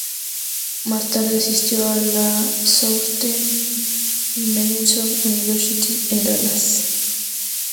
Más tarde, asistió a la Southern Methodist University, en Dallas.